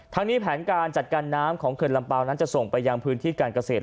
ทั้งนี้แผนการจัดการน้ำของเขื่อนลำเปล่านั้นจะส่งไปยังพื้นที่การเกษตร